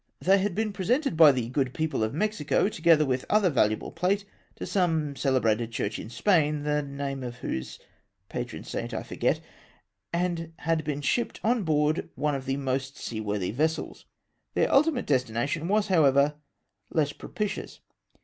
They had been presented by the good people of Mexico, together with other valuable plate, to some celebrated church in Spain, the name of whose patron saint I forget, and had been shipped on board one of the most seaworthy vessels. Thek ultimate destination was, however, less pro pitious.